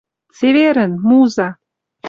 ЦЕВЕРӸН, МУЗА!